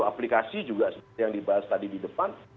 aplikasi juga seperti yang dibahas tadi di depan